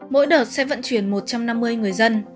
mỗi đợt sẽ vận chuyển một trăm năm mươi người dân